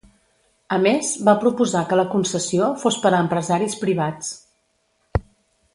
A més, va proposar que la concessió fos per a empresaris privats.